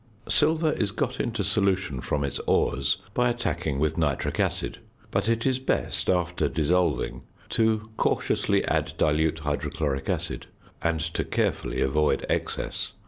Silver is got into solution from its ores by attacking with nitric acid, but it is best, after dissolving, to cautiously add dilute hydrochloric acid, and to carefully avoid excess.